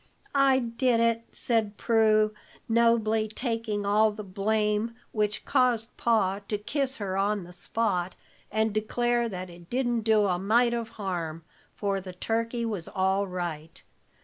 "I did it," said Prue, nobly taking all the blame, which caused Pa to kiss her on the spot, and declare that it didn't do a might of harm, for the turkey was all right.